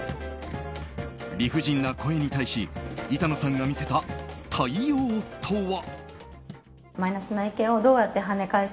理不尽な声に対し板野さんが見せた対応とは。